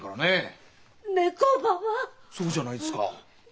そうじゃないですか。